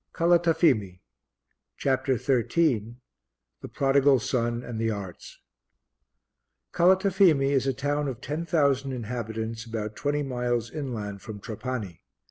CALATAFIMI CHAPTER XIII THE PRODIGAL SON AND THE ARTS Calatafimi is a town of 10,000 inhabitants about twenty miles inland from Trapani.